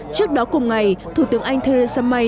trước đó cùng ngày thủ tướng anh theresa may